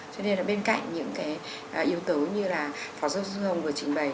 cho nên là bên cạnh những cái yếu tố như là phó giáo dân dung hồng vừa trình bày